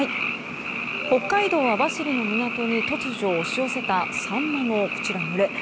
北海道網走の港に突如、押し寄せたサンマの群れ。